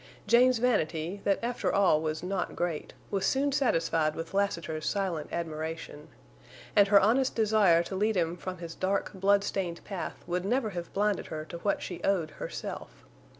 Jane's vanity, that after all was not great, was soon satisfied with Lassiter's silent admiration. And her honest desire to lead him from his dark, blood stained path would never have blinded her to what she owed herself.